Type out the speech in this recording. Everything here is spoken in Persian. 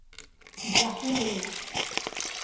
جحیم